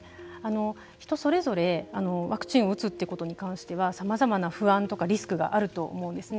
人それぞれワクチンを打つということに関してはさまざまな不安とかリスクがあると思うんですね。